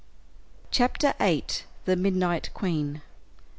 CHAPTER VIII. THE MIDNIGHT QUEEN.